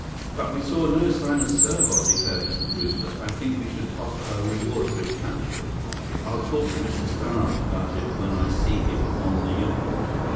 "But we saw no sign of Serbot," declared Mr. Brewster. "I think we should offer a reward for his capture. I'll talk to Mr. Stannart about it, when I see him on the yacht."